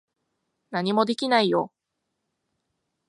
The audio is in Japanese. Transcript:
何もできないよ。